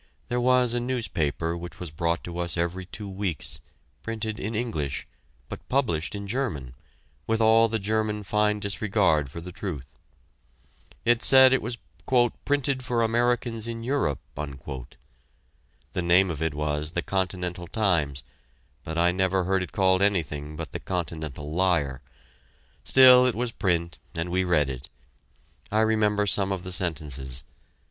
There was a newspaper which was brought to us every two weeks, printed in English, but published in German, with all the German fine disregard for the truth. It said it was "printed for Americans in Europe." The name of it was "The Continental Times," but I never heard it called anything but "The Continental Liar." Still, it was print, and we read it; I remember some of the sentences.